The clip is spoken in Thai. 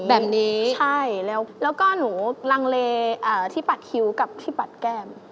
แบบนี้ใช่แล้วก็หนูลังเลที่ปัดคิ้วกับที่ปัดแก้ม